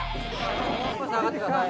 もう少し下がってください。